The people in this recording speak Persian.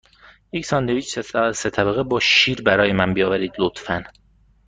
یک ساندویچ سه طبقه با شیر برای من بیاورید، لطفاً.